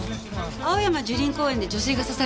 青山樹林公園で女性が刺されて死亡。